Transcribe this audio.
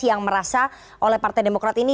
yang merasa oleh partai demokrat ini